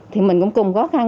thì mình cũng cùng khó khăn